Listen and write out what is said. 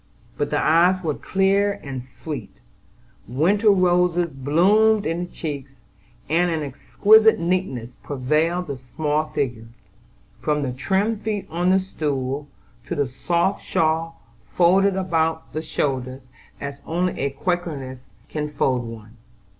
But the eyes were clear and sweet; winter roses bloomed in the cheeks, and an exquisite neatness pervaded the small figure, from the trim feet on the stool, to the soft shawl folded about the shoulders, as only a Quakeress can fold one.